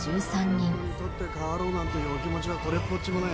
取って代わろうなんていうお気持ちはこれっぽっちもない。